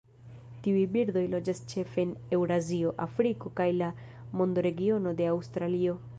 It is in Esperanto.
Tiuj birdoj loĝas ĉefe en Eŭrazio, Afriko kaj la mondoregiono de Aŭstralio.